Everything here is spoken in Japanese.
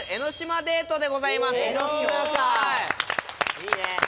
いいね。